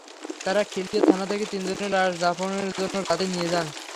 তাঁরা খিলক্ষেত থানা থেকে তিনজনের লাশ দাফনের জন্য রাতেই নিয়ে যান।